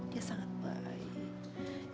dia sangat baik